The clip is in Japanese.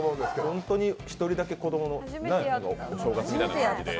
本当に１人だけ子供のお正月みたいな感じで。